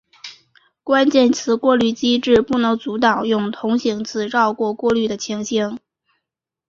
关键词过滤机制不能阻挡用同形词绕过过滤的情形。